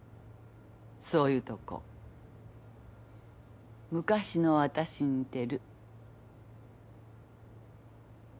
そういうとこ昔の私に似てる。